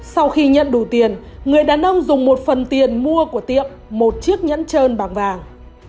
sau khi nhận đủ tiền người đàn ông dùng một phần tiền mua của tiệm một chiếc nhẫn trơn bằng vàng